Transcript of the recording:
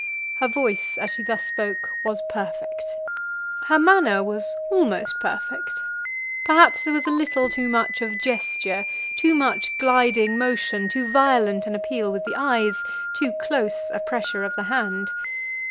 Her voice as she thus spoke was perfect. Her manner was almost perfect. Perhaps there was a little too much of gesture, too much gliding motion, too violent an appeal with the eyes, too close a pressure of the hand.